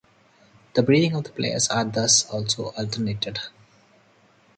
The breathing of the players are thus also alternated.